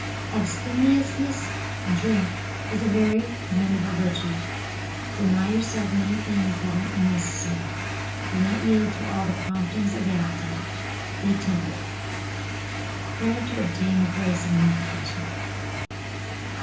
Abstemiousness in drink is a very commendable virtue. Deny yourself many things that are unnecessary. Do not yield to all the promptings of the appetite. Be temperate. PRAYER TO OBTAIN THE GRACE OF MORTIFICATION.